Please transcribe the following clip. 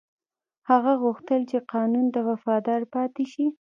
هغه غوښتل چې قانون ته وفادار پاتې شي.